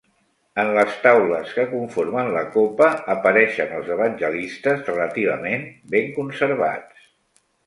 En les taules que conformen la copa apareixen els evangelistes, relativament ben conservats.